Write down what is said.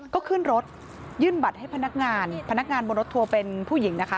ก็ขึ้นรถยื่นบัตรให้พนักงานพนักงานบนรถทัวร์เป็นผู้หญิงนะคะ